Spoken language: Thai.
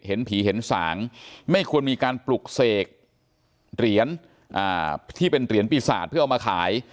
เห็นผีเห็นสางไม่ควรมีการปลุกเสกเหรียญที่เป็นเหรียญปีศาจเพื่อเอามาขาย